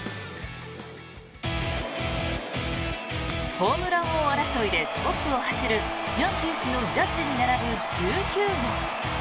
ホームラン王争いでトップを走るヤンキースのジャッジに並ぶ１９号。